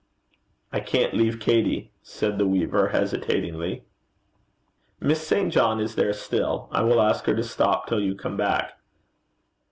'I can't leave Katey,' said the weaver, hesitatingly. 'Miss St. John is there still. I will ask her to stop till you come back.'